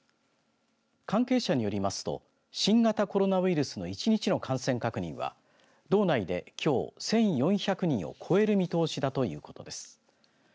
関係者によりますと新型コロナウイルスの１日の感染確認は、道内できょう１４００人を超える見通しだということです。